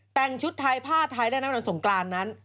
แต่งชุดไทยผ้าไทยเล่นแรงประดับสงการนั้น